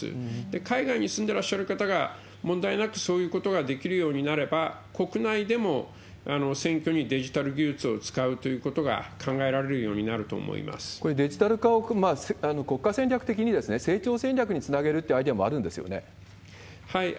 海外に住んでらっしゃる方が問題なくそういうことができるようになれば、国内でも選挙にデジタル技術を使うということが考えられるようにこれ、デジタル化を国家戦略的に成長戦略につなげるっていうアイデアもはい。